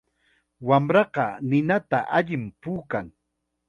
Wamraqa ninata allim puukan.